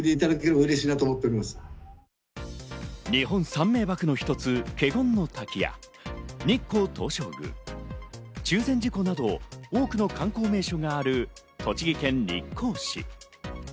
日本三名瀑の一つ、華厳の滝や、日光東照宮、中禅寺湖など、多くの観光名所がある栃木県日光市。